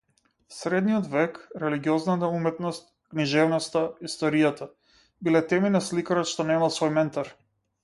Средниот век, религиозната уметност, книжевноста, историјата, биле теми на сликарот што немал свој ментор.